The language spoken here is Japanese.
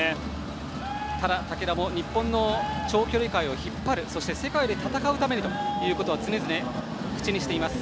ただ、竹田も日本の長距離界を引っ張るそして世界で戦うためにと常々、口にしています。